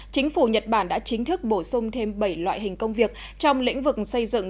chính phủ nhật bản đã chính thức bổ sung thêm bảy loại hình công việc trong lĩnh vực xây dựng